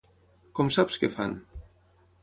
Com saps què fan?